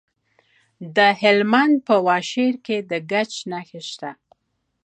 د هلمند په واشیر کې د ګچ نښې شته.